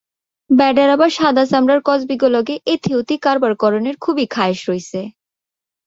বেডার আবার সাদা চামড়ার কসবিগো লগে এথি-ওথি কারবার করণের খুবই খায়েশ রইছে।